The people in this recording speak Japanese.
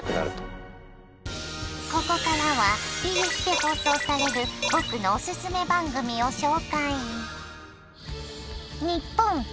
ここからはＢＳで放送される僕のオススメ番組を紹介。